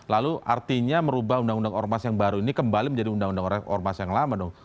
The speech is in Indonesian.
lalu artinya merubah undang undang ormas yang baru ini kembali menjadi undang undang ormas yang lama dong